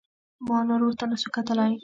ما نور ورته نسو کتلاى.